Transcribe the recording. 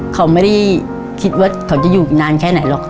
เขาไม่ได้คิดว่าเขาจะอยู่นานแค่ไหนหรอก